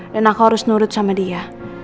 dan aku harus nurut sama dia